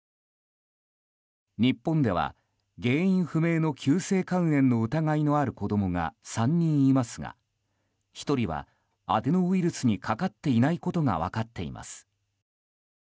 日本では原因不明の急性肝炎の疑いのある子供が３人いますが１人はアデノウイルスにかかっていないことが分かっています。